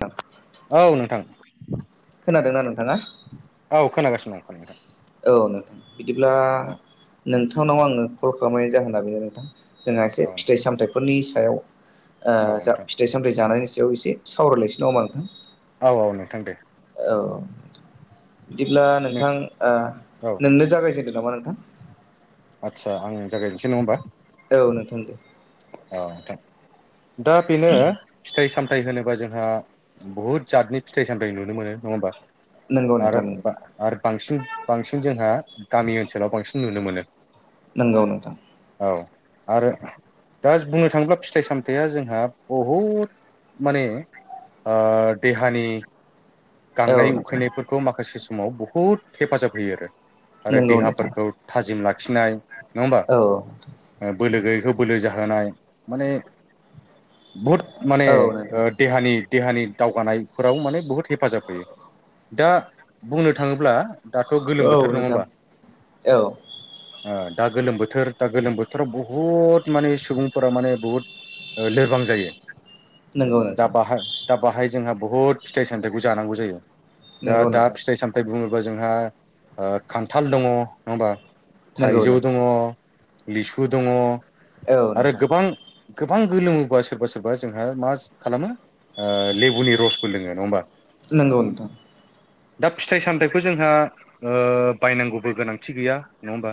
आ औ नोंथां खादों नोंथाङा औ खोनागासिनो दं नोंथां औ नोंथां बिदिब्ला औ नोंथांनाव आङो कल खालामनाय जाहोन न बेनो नोंथां जोंहा एसे औ फिथाइ सामथायाइफोरनि सायाव औ जा नोंथां फिथाइ सामथायाइ जानायनि सायाव बेयाव एसे सावरायलायसिनो द हामा नोंथां औ औ नोंथां दे औ बिदिब्ला नोंथां औ नोंनो जागायजेनदों नामा नोंथां। आदसा आं जागायनोसै नङा होमबा औ नोंथां दे औ नोंथां दा बेनो फिथाइ साम फिथथाय होनोबा जोंहा बुहुत जातनि फिथाइ सामथायाइ नुनो मोनो नङा होमबा नंगौ नोंथां आरो आरो बांसिन बांसिन जोंहा गामि ओनसोलाव बांसिन नुनो मोनो। नंगौ नोंथां औ आरो दा बुंनो थाङोब्ला फिथाइ सामथाइया जोंहा बहुद माने आ देहानि औ गांनाय नोंथां उखैनायफोरखौ माखासे समाव बहुद हेफाजाब होयो आरो आरो नंगौ नोंथां देहाफोरखौ थाजिम लाखिनाय नङा होमबा औ बोलोै हो बोलो जाहोनाय माने बहुद माने औ नोंथां देहानि देहानि दावगानायफोराव माने बुहुत हेफाजाब होयो। दा बुंनो थाङोब्ला दाथ' गोलोम औ बोथोर नङा नोंथां होमबा? औ ओ दा गोलोम बोथोर दा गोलोम बोथोराव बुहुत माने सुबुंफोरा माने बुहुत ओ लोरबां जायो नंगौ दा नोंथां बाहा दा बाहाय जोंहा बहु फिथाइ सामथायखौ जांगौ जायो दा नंगौ दा नोंथां फिथाइ सामथाय बुङो बा जोंहा ओ खान्थाल दङ। नङा होमबा? नंगौ थाइजौ नोंथां दङ। लिसु दङ, औ आरो नोंथां। गोबां गोबां गोलोमोबा सोरबा सोरबा जोंहा मा खालामो ओ लेबुनि रसबो लोङो। नङा होमबा? नोंगौ नोंथां। दा फिथाइ सामथाइखौ जोंहा ओ बायनांगौबो गोनांथि गैया। नङा होमबा?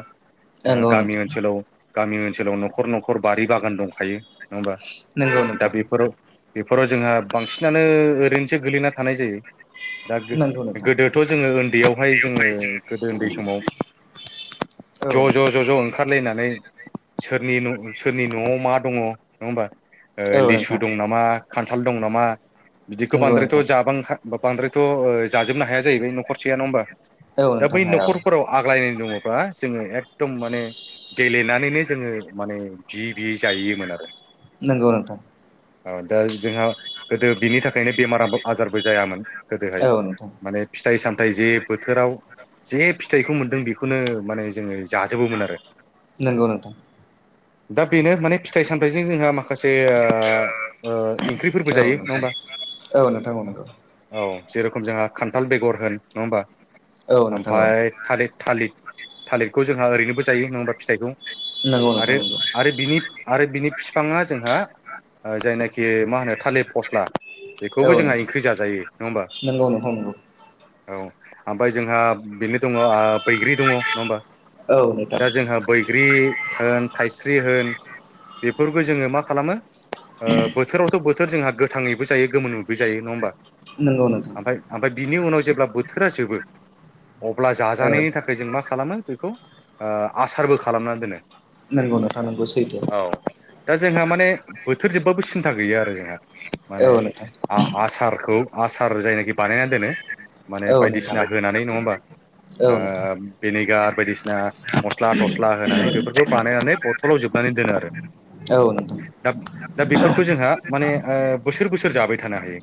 जोंहा नंगौ गामि नोंथां ओनसोलाव गामि ओनसोलाव न'खर न'खर बारि बागान दंखायो। नङा होमबा? नंगौ दा नोंथां बेफोराव बे फोराव जोंहा बांसिनानो ओरैनोसो गोलैना थानाय जायो। दा नंगौ नोंथां गोदोथ' जोङो ओन्दैयावहाय जोङो गोदो ओन्दै समाव औ ज' ज' नोंथां ज' ज' ओंखारलायनानै सोरनि न' सोरनि न'आव मा दङ। नङा होमबा? ओ औ लिसु नोंथां दं नामा, खान्थाल दं नामा बिदिखौ नंगौ बांद्रायथ' नोंथां जांबां हा बांद्रायथ' ओ जाजोबनो हाया जाहैबाय न'खरसेया। नङा होमबा? औ दा नोंथां बै हाया औ न'खरफोराव आग्लाय दङबा जोङो एकदम माने गेलेनानैनो जोङो माने बियै बियै जाहैयोमोन आरो। नोंगौ नोंथां। औ दा जोंहा गोदो बिनि थाखायनो बेमाराबो आजारबो जायामोन। औ गोदोहाय नोंथां माने फिथाइ साम थाय जे बोथोराव जे फिथाइखौ मोनदों बेखौनो माने जोङो जाजोबोमोन आरो। नोंगौ नोंथां। दा बेनो माने फिथाइ सामथाइजों जोंहा माखासे ओ ओ इंख्रिफोरबो औ जायो । नङा नोंथां होमबा? औ नोंथां औ नोंगौ। औ जेरखम जोंहा खान्थाल बेगर होन । नङा होमबा? औ नोंथां औ ओमफाय थालिद थालिद। थालिरखौ जोंहा ओरैनोबो जायो नङा होमबा फिथाइखौ? नंगौ नोंथां आरो नंगौ। आरो बिनि आरो बिनि फिफाङा जोंहा ओ जायनाखि मा होनो थालिद फस्ला औ बेखौबो जोंहा नोंथां ओंख्रि जाजायो नङा होमबा? नंगौ नोंथां नंगौ औ आमफाय जोंहा बेनो दङ ओ बैग्रि दङ नङा होमबा? औ नोंथां दा जोंहा बैग्रि होन थाइस्रि होन बेफोरखौ जोङो मा खालामो ओ बोथोरावथ' बोथोर जोंहा गोथाङैबो जायो गोमोनैबो जायो। नङा होमबा? नंगौ नोंथां। ओमफ्राय ओमफ्राय बिनि उनाव जेब्ला बोथोरा जोबो अब्ला औ जाजानायनि थाखाय जों मा खालामो बेखौ ओ आसारबो खालामना दोनो। नोंगौ नोंथां नोंगौ सैथो। औ दा जोंहा माने बोथोर जोबबाबो सिन्था गैया आरो जोंहा माने औ नोंथां आ-आसारखौ आसार जायनाखि बानायना दोनो माने औ नोंथां बायदिसिना होनानै नङा होमबा औ ओ नोंथां भिनेगार बायदिसिना मस्ला थस्ला होनानै बेफोरखौ बानायनानै बथलाव जोबनानै दोनो आरो। औ नोंथां दा दा बेफोरखौ जोंहा माने ओ बोसोर बोसोर जाबाय थानो हायो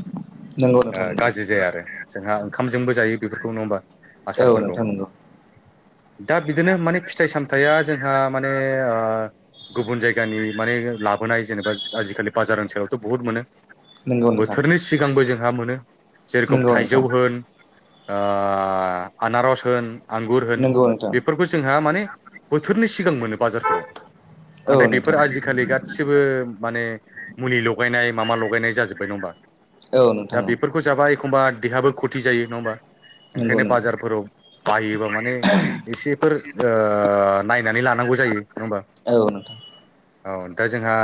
नंगौ नोंथां ओ नंगौ गाज्रि जाया आरो जोंहा ओंखामजोंबो जायो बेफोरखौ। नङा होमबा? औ आसारफोरखौ नोंथां नोंगौ। दा बिदिनो माने फिथाइ सामथाइया जोंहा माने ओ ओ गुबुन जायगानि माने लाबोनाय जेनेबा आजिखालि बाजार ओनसोलावथ' बुहुत मोनो। नंगौ नोंथां बोथोरनि सिगांबो जोंहा मोनो जेरखम नंगौ थाइजौ नोंथां होन आनारस होन आंगुर होन नंगौ नोंथां बेफोरखौ जोंहा माने बोथो थोरनि सिगां मोनो बाजारफोराव औ नाथाय बेफोर नोंथां आजिखालि गासिबो माने मुलि लगायनाय माबा लगायनाय जाजोबबाय नङा होमबा औ दा नोंथां औ बेफोरखौ जाबा एखमबा देहायाबो खथि जायो नङा होमबा नंगौ ओंखायनो नंगौ बाजारफोराव बायोबा माने एसेफोर नायनानै लानांगौ जायो नङा होमबा औ नोंथां औ दा जोंहा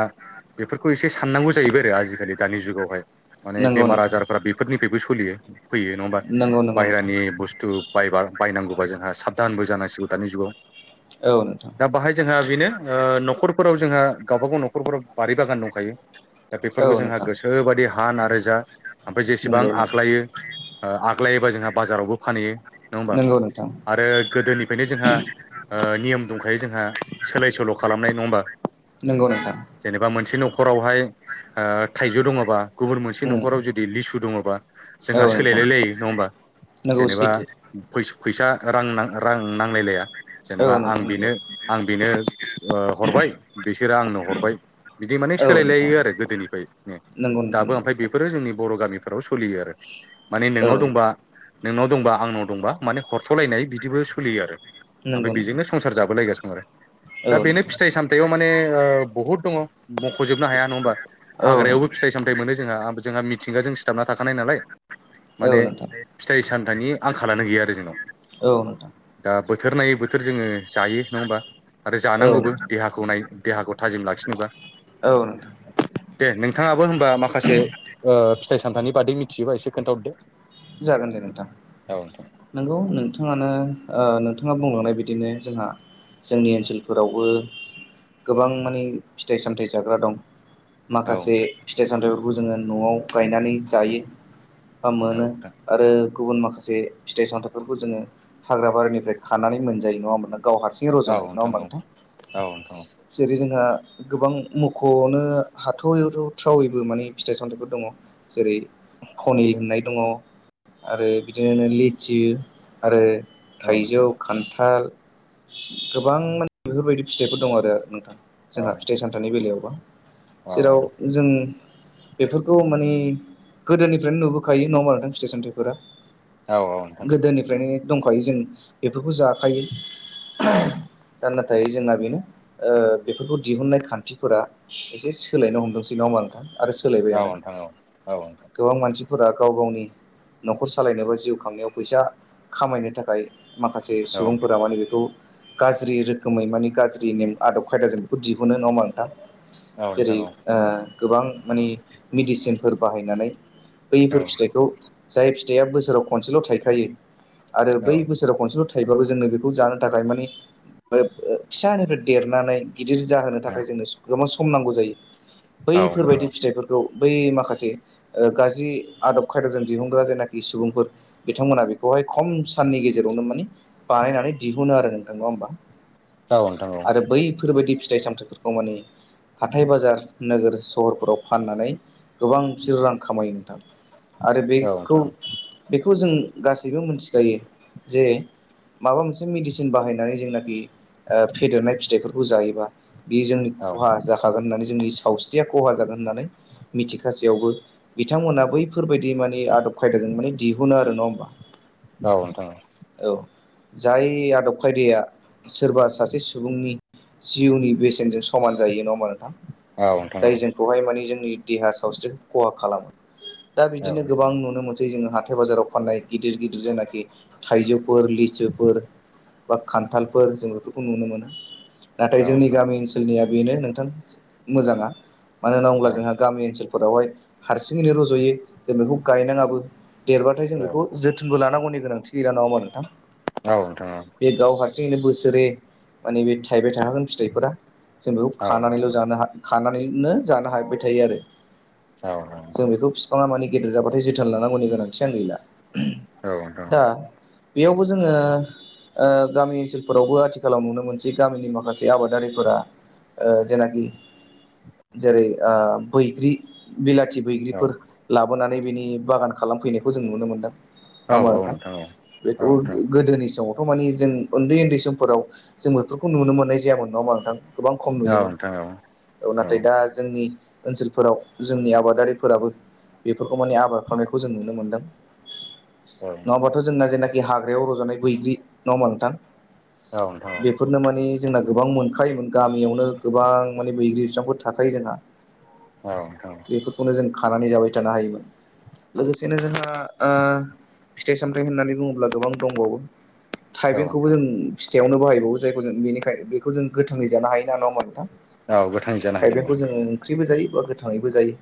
बेफोरखौ एसे साननांगौ जाहैबाय आरो आजिखालि दानि जुगावहाय माने नंगौ बेमार नोंथां आजारफोरा बेफोरनिफ्रायबो सोलियो फैयो नङा होमबा नंगौ नंगौ नोंथां बायहेरानि बुस्थु बायबार बायनांगौबा जोंहा साबधानबो जानांसिगौ दानि जुगाव औ नोंथां दा बाहाय जोंहा बेनो न'खरफोराव जोंहा गावबा गाव न'खरफोराव बारि बागान दंखायो दा औ बेफोरखौ जोंहा नोंथां गोसोबायदि हान आरो जा ओमफ्राय जेसेबां नंगौ नोंथां आगलायो आगलायोबा जोंहा बाजारावबो फानहैयो नङा होमबा नंगौ नोंथां आरो गोदोनिफ्रायनो जोंहा नियम दंखायो जोंहा सोलाय सोल' खालामनाय नङा होमबा नंगौ नोंथां जेनेबा मोनसे नखर नखरावहाय थाइजौ दङबा गुबुन मोनसे उम न'खराव जुदि लिसु दङबा औ जोंहा नोंथां सोलायलाय लायो नङा होमबा नंगौ जेनेबा सैथो फैस फैसा रां रां नांलायलाया औ जेनेबा नोंथां आं नंगौ बेनो आं बेनो हरबाय बिसोरो आंनो हरबाय बिदि माने औ नोंथां सोलायलायो आरो गोदोनिफ्राय नंगौ नोंथां दाबो नंगौ ओमफ्राय बेफोरो जोंनि बर' गामिफोराव सोलियो आरो माने औ नोंनाव दंबा नोंनाव दंबा आंनाव दंबा माने हरथ'लायनाय बिदिबो सोलियो आरो ओमफ्राय नंगौ नोंथां बेजोंनो संसार जाबोलायगासिनो दं आरो औ दा बेनो नोंथां फिथाइ सामथाइयाव माने ओ बहुत दङ मख'जोबनो हाया नङा होमबा औ हाग्रायावबो नोंथां फिथाइ सामथाइ फिथाइ मोनो जोंहा जोंहा मिथिंगाजों सिथाबना थाखानाय नालाय माने औ नोंथां फिथाइ सामथाइनि आंखालानो गैया आरो जोंनाव औ नोंथां दा बोथोर नायै बोथोर जोङो जायो नङा होमबा आरो औ जानांगौबो नोंथां देहाखौ नाय देहाखौ थाजिम लाखिनोबा दन दे नोंथाङाबो होमबा माखासे फिथाइ सामथनि बादै मिथियोबा एसे खोन्थाहरदो जागोन दे नोंथां औ नोंथां नंगौ नोंथाङानो नथाङा बुंलांनाय बिदिनो जोंहा जोंनि ओनसोलफोरावबो गोबां माने फिथाइ सामथायाइ जाग्रा दं औ माखासे नोंथां फिथाइ सामथाइ बे खौ जोङो न'आव गायनानै जायो बा मोनो आरो गुबुन माखासे फिथाइ सामथाइफोरखौ जोङो हाग्रा बारिनिफ्राय खानानै मोनजायो नङा होनोन गाव हारसिंै औ रज'नाय नङा होमबा औ नोंथां औ नोंथां जेरै जों जोंहा गोबां मुख'आवनो हाथावैथाव थ्रावैबो माने फिथाइ सामथाइफोर दङ जेरै खनि होननाय दङ आरो बिदिनो लिथि आरो औ औ नोंथां थाइजौ औ खान्थाल गोबां माने बेफोरबायदि फिथाइफोर दं आरो नोंथांा जोंहा फिथाइ सामथनि बेलायावबा औ जेराव जों बेफोरखौ माने गोदोनिफ्रायनो नुबोखायो नङा म आरो दां स्टेसनारिफोरा औ नोंथां गोदोनिफ्रायनो दंखायो जों बेफोरखौ जाखायो दा नाथाय जोंना बेनो बेफोरखौ दिहुननाय खान्थिफोरा एसे सोलायनो हमदोंसै ना थ औ सोलायबायानो नोंथां औ औ गो मसि फोर गाव गावनि न'खर सालायनो बा जिउ खांनायाव फैसा खामायनो थाखाय माखासे औ नोंथां सुबुंफोरा माने बेखौ गाज्रि रोखोमै माने गाज्रि नेम आदब खायदाजों बेखौ दिहुनो नामा नोंथां जेरै औ गोबां माने मेडिसिनफोर बाहायनानै औ बैफोर फिथाइखौ फिथाइ फिथाइया बोसोराव खनसेल' थाइखायो आरो औ बै बोसोराव खनसेल' थ थैबाबो जोंनो बेखौ जानो थाखाय मानि फिसानिफ्राय देरनानै गिदिर जाहोनो थाखाय नोंथां जोंनो गोबां सम नांगौ जायो औ बैफोरबायदि फिथाइफोरखौ बै माखासे गाज्रि आदब खायदाजों दिहुनग्रा जायनाखि सुबुंफोर बिथांमोना बेखौहाय खम साननि गेजेरावनो मान बानायनानै दिहुन आरो नोंथा होमबा? औ नोंथां औ आरो बैफोर बायदि फिथाइ सामथायाइफोरखौ माने हाथाय बाजार नोगोर सहरफोराव फाननानै गोबां बिसोर रां खामायो नोंथां। आरो बेखौ नोंथां बेखौ जों गासैबो मोनथिखायो जे माबा मोनसे मेडिसिन बाहायनानै जेनाखि फेदेरनाय फिथाइफोरखौ जायोबा बे जोंनि औ खहा जाखागोन होननानै जोंनि सावस्रिया खहा जागोन होननानै मिथिखासेयावबो बिथांमोना बैफोरबायदि बिदि माने आदब खायदाजों माने दिहुनो आरो नङा होमबा? औ द औ जाय आदब खायदाया सोरबा सासे सुबुंनि जिउनि बेसेनजों समान जायो नङा मानोना औ नोंथां औ जाय जोंखौहाय माने जोंनि देहा सावस्रि खहा खालामो दा। बिदिनो गोबां नुनो मोनसै जोङो हाथाय बाजाराव फाननाय गिदिर गिदिर जेनाखि थाइजौफोर लिसुफोर बा खान्थालफोर जों बेफोरखौ नुनो मोनो। नाथाय जोंनि नोंथां गामि ओनसोलनिया बेनो नोंथां मोजाङा मानो होनना बुोब्ला जोंहा गामि ओनसोलफोरावहाय हारसिङैनो रज'यो जों बेखौ गायनाङाबो देरबाथाय जों औ बेखौ जोथोनबो लानांगौनि गोनांथि गैला नङा मा नोंथां? औ नोंथां जनो बोसोरै माने बे थाइबाय थाहागोन फिथाइफोरा जों बेखौ औ नोंथां औ नोंथां औ नोंथां औ नोंथां औ खानानैल' जानो हा खानानै खानानैनो‌ जानो हाबाय थायो। औ नोंथां औ जों बिखौ फिफां डिजिटाल लानांगौनि गोनांथि आं गैला औ द दा बेयावबो जोङो गामि ओनसोलफोरावबो आथिखालाव नुनो मोनसै गामिनि माखासे आबादारिफोरा जेनाखि जेरै बैग्रि बिलाथि खाथि बैग्रिफोर लाबोनानै बेनि बागान खालामफैनायखौ जों नुनो मोन्दों। नबा नोंथां बेखौ गोदोनि समाव थ' मानि जों उन्दै उन्दै समफोराव जों बेफोरखौ नुनो मोननाय जायामोन नङामा नोंथां? गोबां खम नुयोमोन औ नाथाय दा जोंनि ओनसोलफोराव जोंनि आबादारिफोराबो बेफोरखौ माने आबाद खालामनायखौ जों नुनो मोनदों नङाबाथ' जोंना जेना हाग्रायाव रजानाय बैग्रि न' मानथाम बेफोरनो मानि जोंना गोबां मोनखायोमोन गामियावनो गोबां माने बैग्रि बिफांफोर थाखायो जोंहा औ औ बेफोरखौनो जों खानानै जाबाय थानो हायोमोन। लोगोसेनो जोंहा फिथाइ सामथाइ होननानै बुङोब्ला गोबां दंबावो औ थाइबेंखौबो नोंथां जों फिथाइावनो बाहायबावो जायखौ जों बेनिखायनो बेखौ जों गोथोंङै जानो हायो ना नाोमबा नोंथां औ गोथां जानो हायो औ थाइबेंखौ जोङो ओंख्रिबो जायो बा गोथाङैबो जायो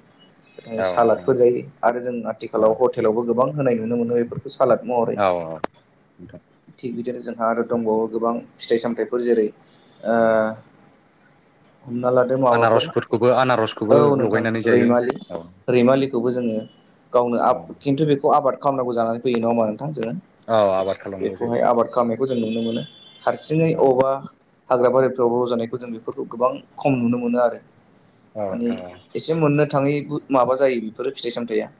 गोथाङै औ सालाद नोंथां फोजायो आरो जों औ आथिखालाव हटेलावबो गोबां होनाय नुनो मोनो बेफोरखौ सालाद महरै औ नोंथां थिग बिदिनो जों हा आरो दंबावो गोबां फिथाइ सामथाइफोर जेरै हमना लादो माबाफोर आनारसफोरखौबो आनारसखौबो औ नोंथां लगायनानै जायो रैमालि रैमालि जोङो गावनो औ खिन्थु बेखौ आबाद खालामनांगौ जानानै फैयो नङा मानोना जों औ आबाद खालामनांगौ बेखौहाय जायो आबाद खालामनायखौ जों नुनो मोनो। हारसिङै औ अबेबा हाग्रा बारिफ्राव रजानायखौ जों बेफोरखौ गोबां खम नुनो मोनो आरो। औ माने नोंथां एसे मोननो थाङै माबा जायो बेफोरो फिथाइ सामथायाइा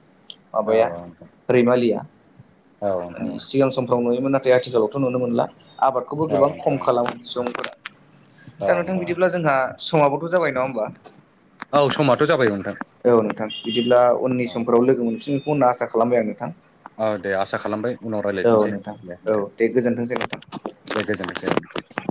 औ माबाया औ नोंथां रैमालिया औ नोंथां औ मानिे सिगां समफ्राव नुयोमोन नाथाय आथिखालावथ' नुनो मोनला आबादखौबो औ गोबां नोंथां खम खालामो सुबुंफोरा दा नोंथां बिदिब्ला जोंहा समाबोथ' जाबाय नङा होमब्लाा औ समाथ' जाबाय नोंथां औ नोंथां बिदिब्ला उननि औ समफ्राव लोगो मोनफिनगखौ होनना आसा खालामबाय आं नोंथां औ दे आसा खालामबाय उनाव औ रायज्लायफिनसै नोंथां औ देथे दे गोजोनथोंसै नोंथां। दे गोजोनथोंसै